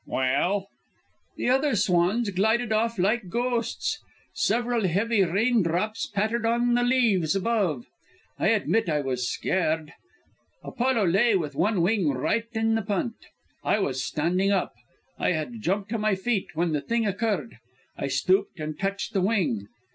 "Well?" "The other swans glided off like ghosts. Several heavy raindrops pattered on the leaves above. I admit I was scared. Apollo lay with one wing right in the punt. I was standing up; I had jumped to my feet when the thing occurred. I stooped and touched the wing.